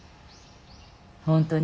本当に？